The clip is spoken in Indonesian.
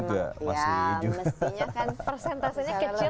mestinya kan persentasenya kecil